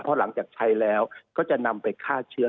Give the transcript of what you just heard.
เพราะหลังจากใช้แล้วก็จะนำไปฆ่าเชื้อ